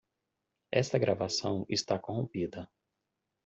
Esta gravação está corrompida.